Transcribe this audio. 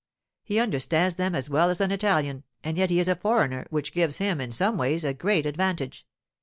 He understands them as well as an Italian, and yet he is a foreigner, which gives him, in some ways, a great advantage.